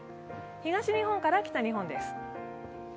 東日本から北日本です。